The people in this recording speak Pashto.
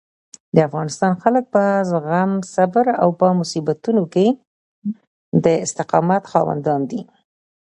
د افغانستان خلک په زغم، صبر او په مصیبتونو کې د استقامت خاوندان دي.